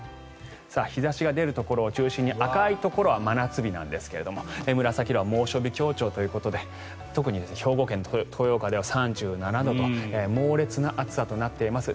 日差しが出るところを中心に赤いところは真夏日なんですが紫色は猛暑日強調ということで特に、兵庫県豊岡では３７度と猛烈な暑さとなっています。